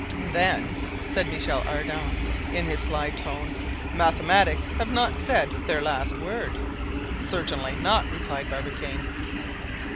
"Then," said Michel Ardan, in his sly tone, "mathematics have not said their last word?" "Certainly not," replied Barbicane.